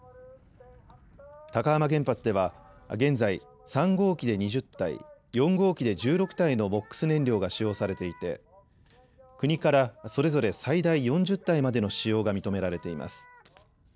高浜原発では現在、３号機で２０体、４号機で１６体のＭＯＸ燃料が使用されていて国からそれぞれ最大４０体までの使用が認められています。